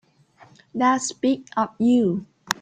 That's big of you.